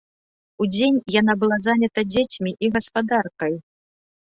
Удзень яна была занята дзецьмі і гаспадаркай.